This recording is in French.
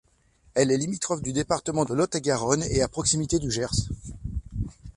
Elle est limitrophe du département de Lot-et-Garonne et à proximité du Gers.